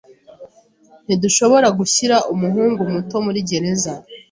Ntidushobora gushyira umuhungu muto muri gereza.